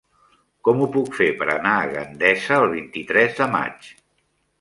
Com ho puc fer per anar a Gandesa el vint-i-tres de maig?